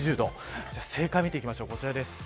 正解を見ていきましょう。